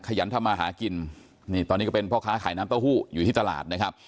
ยันทำมาหากินนี่ตอนนี้ก็เป็นพ่อค้าขายน้ำเต้าหู้อยู่ที่ตลาดนะครับ